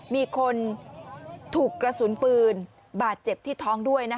มีคนถูกกระสุนปืนบาดเจ็บที่ท้องด้วย